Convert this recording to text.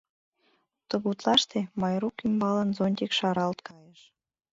Тыгутлаште Майрук ӱмбалан зонтик шаралт кайыш...